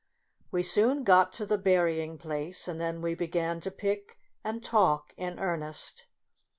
We soon got to the berrying place, and then we began to pick and talk in earnest.